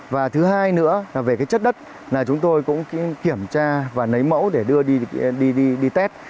và thứ hai nữa là về cái chất đất là chúng tôi cũng kiểm tra và lấy mẫu để đưa đi tết